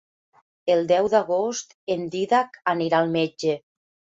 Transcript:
El deu d'agost en Dídac anirà al metge.